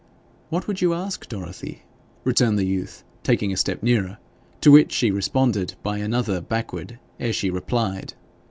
'What would you ask, Dorothy?' returned the youth, taking a step nearer, to which she responded by another backward ere she replied.